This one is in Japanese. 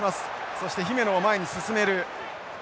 そして姫野を前に進める。